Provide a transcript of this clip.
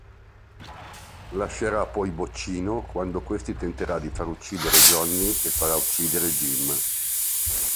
Lascerà poi Boccino, quando questi tenterà di far uccidere Johnny e farà uccidere Jim.